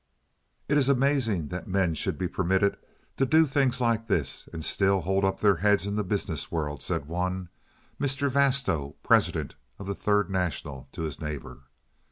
"It is amazing that men should be permitted to do things like this and still hold up their heads in the business world," said one, Mr. Vasto, president of the Third National, to his neighbor.